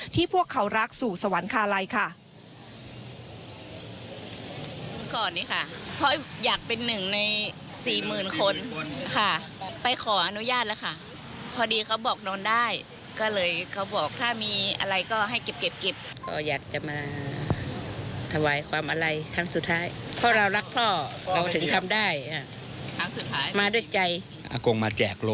ที่พวกเขารักสู่สวรรคาไลค่ะ